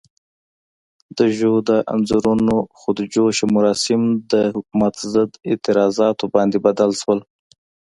د ژو د انځورونو خود جوشه مراسم د حکومت ضد اعتراضاتو باندې بدل شول.